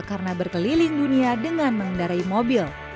karena berkeliling dunia dengan mengendarai mobil